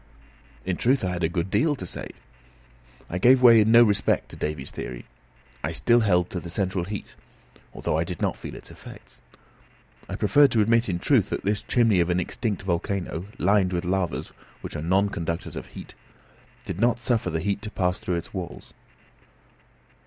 In truth, I had a good deal to say. I gave way in no respect to Davy's theory. I still held to the central heat, although I did not feel its effects. I preferred to admit in truth, that this chimney of an extinct volcano, lined with lavas, which are non conductors of heat, did not suffer the heat to pass through its walls.